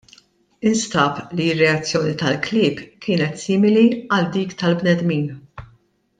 Instab li r-reazzjoni tal-klieb kienet simili għal dik tal-bnedmin.